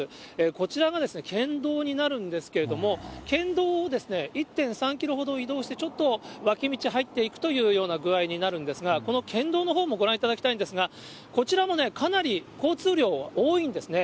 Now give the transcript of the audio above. こちらが県道になるんですけれども、県道を１．３キロほど移動して、ちょっと脇道入っていくというような具合になるんですが、この県道のほうもご覧いただきたいんですが、こちらもね、かなり交通量は多いんですね。